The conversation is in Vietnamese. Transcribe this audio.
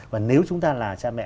và nếu chúng ta là cha mẹ